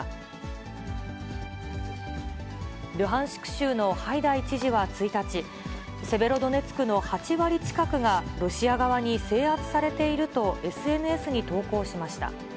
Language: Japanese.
州のハイダイ知事は１日、セベロドネツクの８割近くがロシア側に制圧されているとＳＮＳに投稿しました。